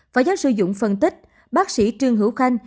phó giáo sư dũng phân tích bác sĩ trương hữu khanh